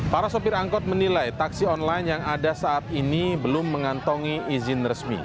para sopir angkot menilai taksi online yang ada saat ini belum mengantongi izin resmi